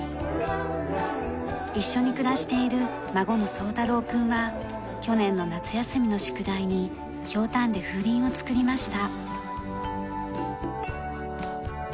一緒に暮らしている孫の惣太郎くんは去年の夏休みの宿題にヒョウタンで風鈴を作りました。